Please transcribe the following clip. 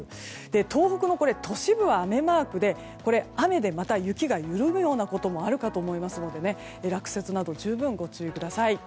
東北の都市部は雨マークで雨で雪が緩むこともあるので落雪など十分ご注意ください。